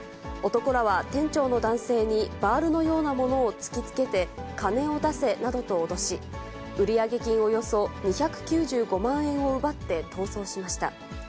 男らは店長の男性にバールのようなものを突きつけて、金を出せなどと脅し、売上金およそ２９５万円を奪って逃走しました。